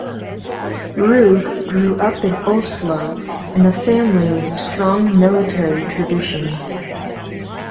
Ruge grew up in Oslo in a family with strong military traditions.